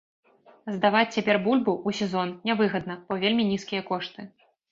Здаваць цяпер бульбу, у сезон, не выгадна, бо вельмі нізкія кошты.